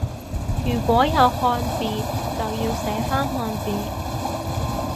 如果有漢字就要寫返漢字